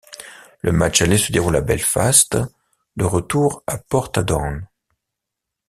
Le match aller se déroule à Belfast, le retour à Portadown.